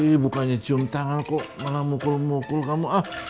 ini bukannya cium tangan kok malah mukul mukul kamu